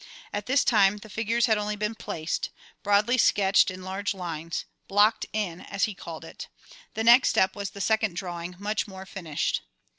At this time the figures had only been "placed," broadly sketched in large lines, "blocked in" as he called it. The next step was the second drawing, much more finished.